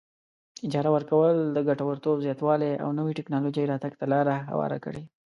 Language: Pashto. اجاره ورکول د ګټورتوب زیاتوالي او نوې ټیکنالوجۍ راتګ ته لار هواره کړي.